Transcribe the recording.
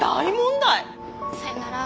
さようなら。